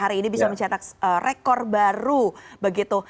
hari ini bisa mencetak rekor baru begitu